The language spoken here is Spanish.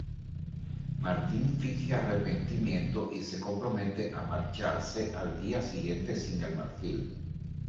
Martin finge arrepentimiento y se compromete a marcharse al día siguiente sin el marfil.